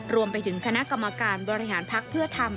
รวมไปถึงคณะกรรมการบริหารพักเพื่อธรรม